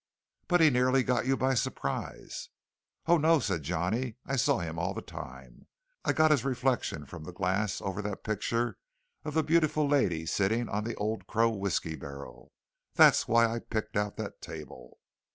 "But he nearly got you by surprise." "Oh, no," said Johnny; "I saw him all the time. I got his reflection from the glass over that picture of the beautiful lady sitting on the Old Crow Whiskey barrel. That's why I picked out that table."